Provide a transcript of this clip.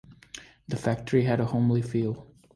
The factory had a homely feel.